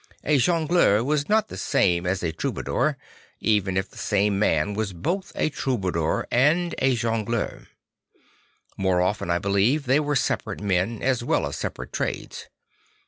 A jongleur was not the same thing as a troubadour, even if the same man were both a troubadour and a jongleur. 1tlore often, I believe, they were separate men as well as separate trades.